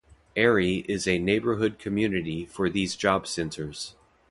Airy is a neighborhood community for these job centers.